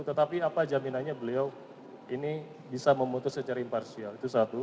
tetapi apa jaminannya beliau ini bisa memutus secara imparsial itu satu